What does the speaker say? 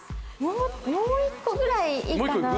もう１個ぐらいいいかな？